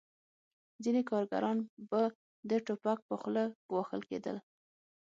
ځینې کارګران به د ټوپک په خوله ګواښل کېدل